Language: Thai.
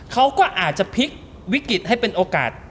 เขาก็อาจจะพลิกวิกฤตให้เป็นโอกาส